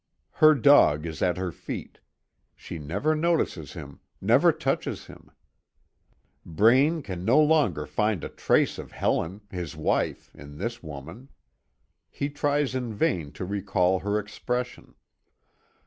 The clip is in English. Her dog is at her feet. She never notices him, never touches him. Braine can no longer find a trace of Helen, his wife, in this woman. He tries in vain to recall her expression.